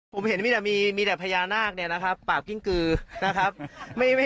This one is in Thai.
ผมเห็นมีแต่มีแต่พญานาคเนี่ยนะครับปากกิ้งกือนะครับ